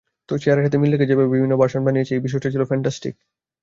চেহারার সাথে মিল রেখে যেভাবে বিভিন্ন ভার্সন বানিয়েছে এই বিষয়টা ছিল ফ্যান্টাসটিক।